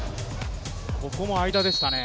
ここも間でしたね。